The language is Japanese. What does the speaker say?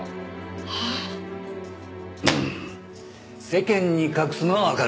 世間に隠すのはわかる。